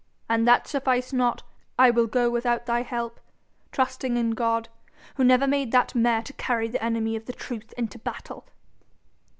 An' that suffice not, I will go without thy help, trusting in God, who never made that mare to carry the enemy of the truth into the battle.'